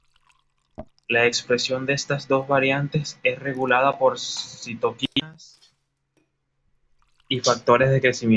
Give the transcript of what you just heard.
La expresión de estas dos variantes es regulada por citoquinas y factores de crecimiento.